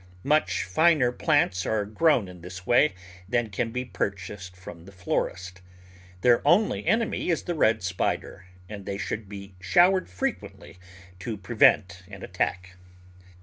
Much finer plants are grown in this way than can be purchased from the florist. Their only enemy is the red spider, and they should be show ered frequently to prevent an attack.